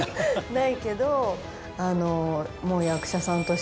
ないけど。